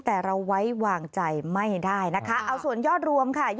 แต่เราไว้วางใจไม่ได้นะคะเอาส่วนยอดรวมค่ะ